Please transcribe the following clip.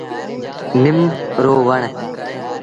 نم رو وڻ ۔